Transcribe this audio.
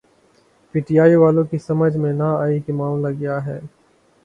P T I والوں کی سمجھ میں نہ آئی کہ معاملہ کیا ہے۔